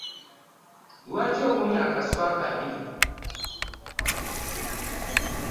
Lwaki owunya akasu akabi?